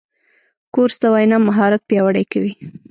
کورس د وینا مهارت پیاوړی کوي.